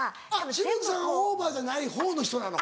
紫吹さんはオーバーじゃない方の人なの？